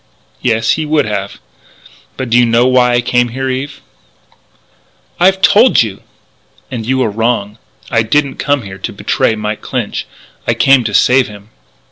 "Yes, he would have. But do you know why I came here, Eve?" "I've told you!" "And you are wrong. I didn't come here to betray Mike Clinch: I came to save him."